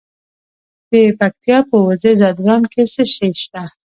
د پکتیا په وزه ځدراڼ کې څه شی شته؟